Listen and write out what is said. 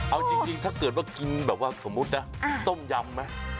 เอาจริงถ้าเกิดว่ากินแบบว่าสมมุตินะต้มยำไหม